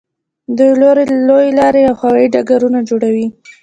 دوی لویې لارې او هوایي ډګرونه جوړوي.